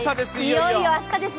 いよいよ明日です。